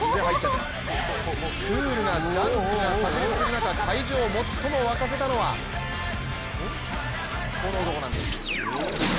クールなダンクがさく裂する中会場を最も沸かせたのがこの男なんです。